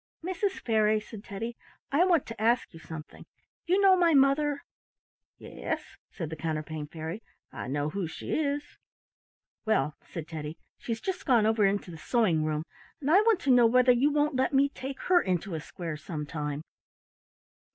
"Mrs. Fairy," said Teddy, "I want to ask you something. You know my mother?" "Yes," said the Counterpane Fairy, "I know who she is." "Well," said Teddy, "she's just gone over into the sewing room, and I want to know whether you won't let me take her into a square sometime."